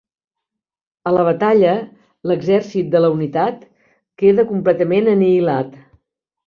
A la batalla, l'Exèrcit de la Unitat queda completament anihilat.